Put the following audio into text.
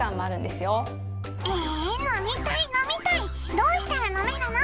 どうしたら飲めるの？